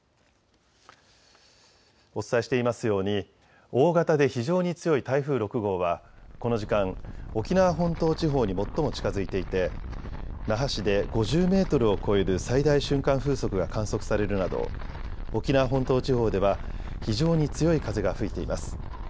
お伝えしていますように大型で非常に強い台風６号はこの時間、沖縄本島地方に最も近づいていて那覇市で５０メートルを超える最大瞬間風速が観測されるなど沖縄本島地方では非常に強い風が吹いています。